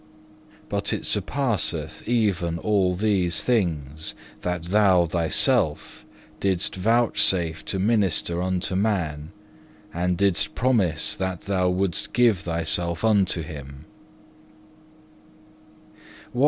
But it surpasseth even all these things, that Thou Thyself didst vouchsafe to minister unto man, and didst promise that Thou wouldest give Thyself unto him.